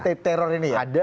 state terror ini ya